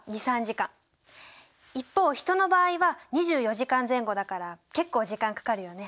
一方ヒトの場合は２４時間前後だから結構時間かかるよね。